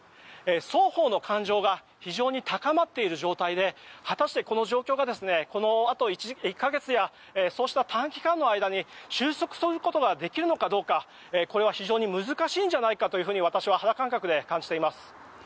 双方の感情が非常に高まっている状態で果たしてこの状況がこのあと１か月やそうした短期間の間に収束することができるのかどうかこれは非常に難しいんじゃないかと私は肌感覚で感じています。